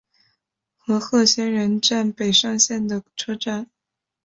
和贺仙人站北上线的车站。